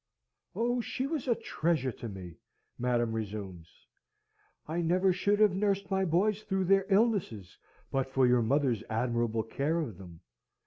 "Oh, she was a treasure to me!" Madam resumes. "I never should have nursed my boys through their illnesses but for your mother's admirable care of them.